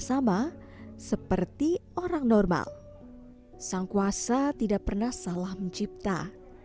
jika indera perabahan ini akan menjadi kekuatan